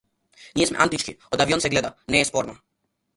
Ние сме антички, од авион се гледа, не е спорно.